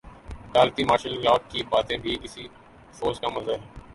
عدالتی martial law کی باتیں بھی اسی سوچ کا مظہر ہیں۔